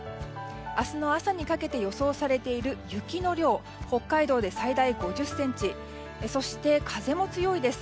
明日の朝にかけて予想されている雪の量は北海道で最大５０ｃｍそして風も強いです。